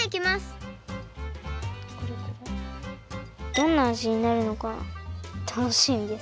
どんなあじになるのかたのしみです。